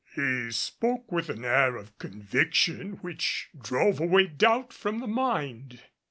He spoke with an air of conviction which drove away doubt from the mind.